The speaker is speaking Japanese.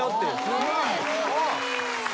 すごい。